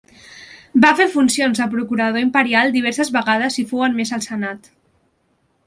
Va fer funcions de procurador imperial diverses vegades i fou admès al senat.